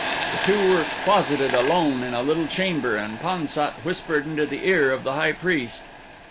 The two were closeted alone in a little chamber and Pan sat whispered into the ear of the high priest.